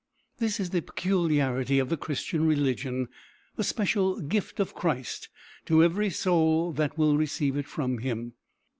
This is the peculiarity of the Christian religion the special gift of Christ to every soul that will receive it from him.